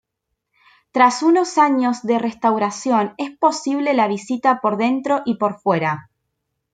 Tras unos años de restauración es posible la visita por dentro y por fuera.